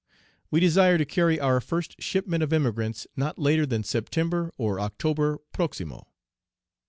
We desire to carry our first shipment of emigrants not later than September or October proximo.